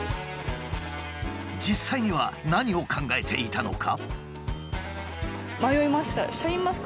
実際には何を考えていたのか？